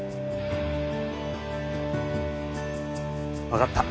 分かった。